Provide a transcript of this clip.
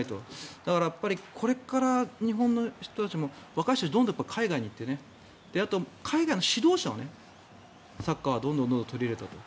だから、これから日本の人たちも若い人たちはどんどん海外に行ってで、海外の指導者をサッカーをどんどん入れたと。